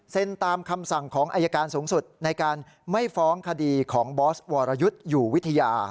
ตามคำสั่งของอายการสูงสุดในการไม่ฟ้องคดีของบอสวรยุทธ์อยู่วิทยา